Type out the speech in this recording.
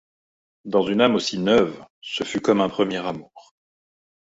Dans une âme aussi neuve, ce fut comme un premier amour.